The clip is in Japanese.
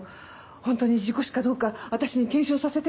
本当に事故死かどうか私に検証させて。